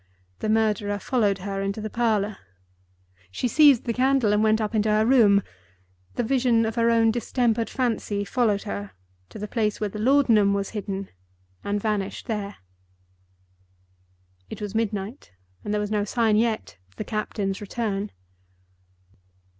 The murderer followed her into the parlor. She seized the candle and went up into her room. The vision of her own distempered fancy followed her to the place where the laudanum was hidden, and vanished there. It was midnight, and there was no sign yet of the captain's return.